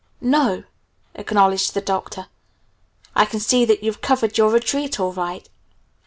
"N o," acknowledged the Doctor. "I can see that you've covered your retreat all right.